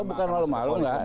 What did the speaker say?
bukan malu malu nggak